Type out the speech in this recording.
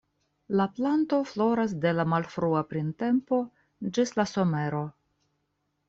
La planto floras de la malfrua printempo ĝis la somero.